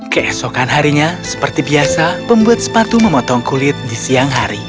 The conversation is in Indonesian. keesokan harinya seperti biasa pembuat sepatu memotong kulit di siang hari